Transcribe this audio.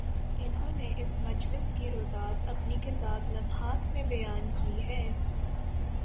انہوں نے اس مجلس کی روداد اپنی کتاب "لمحات" میں بیان کی ہے۔